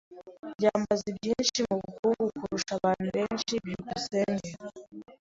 byambo azi byinshi mubukungu kurusha abantu benshi. byukusenge